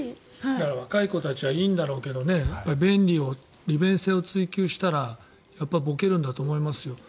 若い子たちはいいんだろうけど利便性を追求したらぼけるんだと思いますよ。